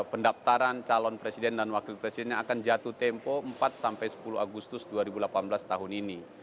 jadi pendaptaran calon presiden dan wakil presidennya akan jatuh tempo empat sampai sepuluh agustus dua ribu delapan belas tahun ini